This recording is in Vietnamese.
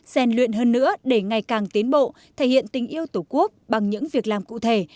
xen luyện hơn nữa để ngày càng tiến bộ thể hiện tình yêu tổ quốc bằng những việc làm cụ thể